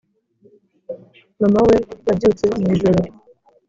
. Mama we yabyutse mwijoro